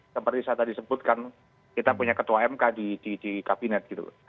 seperti saya tadi sebutkan kita punya ketua mk di kabinet gitu